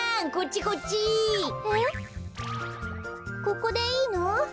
ここでいいの？